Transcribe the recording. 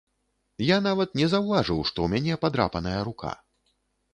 Я нават не заўважыў што ў мяне падрапаная рука.